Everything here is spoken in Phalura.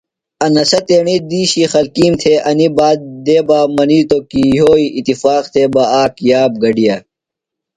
انسہ تیݨی دِیشی خلکِیم تھےۡ انیۡ بات دےۡ بہ منِیتو کی یھوئی اتفاق تھےۡ بہ آک یاب گڈِیا۔